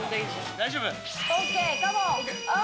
大丈夫？